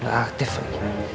gak aktif lagi